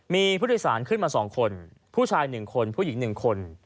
มีผู้โดยสารขึ้นมา๒คนผู้ชาย๑คนผู้หญิง๑คน